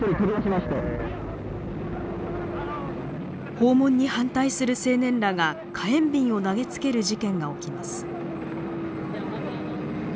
訪問に反対する青年らが火炎びんを投げつける事件が起きます。